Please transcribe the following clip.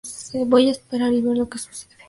Voy a esperar y ver lo que sucede.